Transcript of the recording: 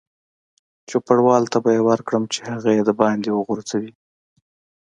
چوپړوال ته به یې ورکړم چې هغه یې دباندې وغورځوي.